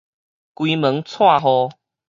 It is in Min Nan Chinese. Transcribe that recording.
關門閂戶